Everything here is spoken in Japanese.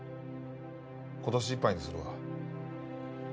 今年いっぱいにするわ。